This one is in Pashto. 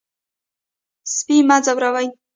سپي مه ځوروئ.